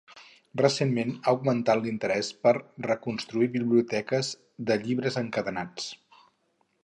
Recentment, ha augmentat l'interès per reconstruir biblioteques de llibres encadenats.